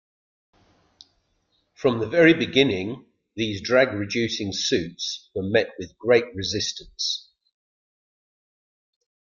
From the very beginning, these drag reducing suits were met with great resistance.